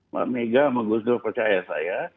mbak mega sama gusdo percaya saya